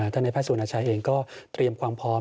ท่านในภาษาสูญชายเองก็เตรียมความพร้อม